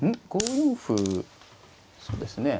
５四歩そうですね。